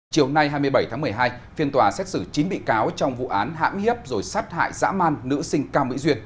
chiều nay hai mươi bảy tháng một mươi hai phiên tòa xét xử chín bị cáo trong vụ án hãm hiếp rồi sát hại dã man nữ sinh cao mỹ duyên